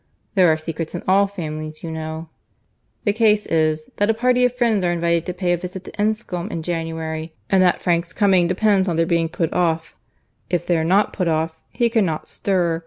There are secrets in all families, you know)—The case is, that a party of friends are invited to pay a visit at Enscombe in January; and that Frank's coming depends upon their being put off. If they are not put off, he cannot stir.